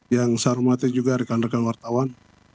yang saya hormati juga rekan rekan wartawan